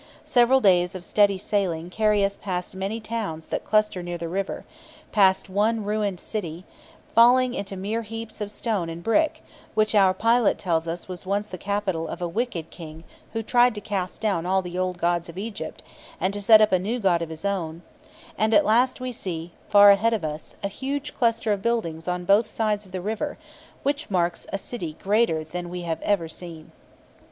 Several days of steady sailing carry us past many towns that cluster near the river, past one ruined city, falling into mere heaps of stone and brick, which our pilot tells us was once the capital of a wicked King who tried to cast down all the old gods of Egypt, and to set up a new god of his own; and at last we see, far ahead of us, a huge cluster of buildings on both sides of the river, which marks a city greater than we have ever seen.